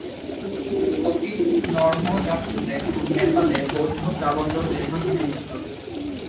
Office নর্মদাকূলে ও নেপালে বৌদ্ধপ্রাবল্য দীর্ঘস্থায়ী ছিল।